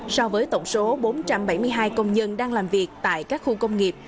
so với tổng số bốn trăm bảy mươi hai công nhân đang làm việc tại các khu công nghiệp